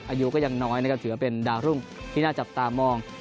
อายุก็ยังน้อยนะครับถือเป็นดาวรุ่งที่น่าจับตามอง